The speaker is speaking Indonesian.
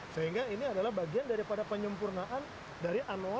sehingga ini adalah bagian daripada penyempurnaan dari anoa